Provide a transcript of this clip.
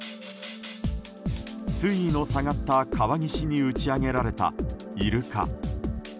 水位の下がった川岸に打ち上げられたイルカ。